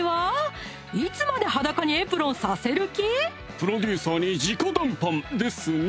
プロデューサーに直談判ですな